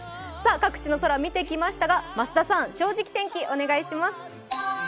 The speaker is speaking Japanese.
各地の空見てきましたが、増田さん「正直天気」お願いします。